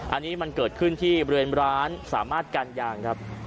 อันนี้มันเกิดขึ้นที่บริเวณร้านสามารถการยางครับ